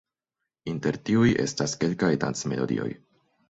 Inter tiuj estas kelkaj dancmelodioj.